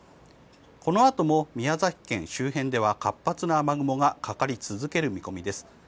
このあとも宮崎県周辺では活発な雨雲がかかり続ける見込みです。